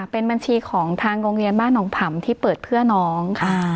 เป็นบัญชีของทางโรงเรียนบ้านหนองผำที่เปิดเพื่อน้อง